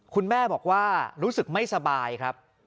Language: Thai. คุณแม่บอกว่ารู้สึกไม่สบายครับ